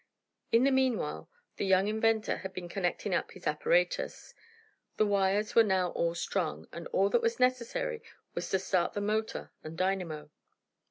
In the meanwhile, the young inventor had been connecting up his apparatus. The wires were now all strung, and all that was necessary was to start the motor and dynamo.